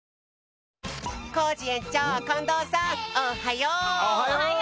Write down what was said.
おはよう！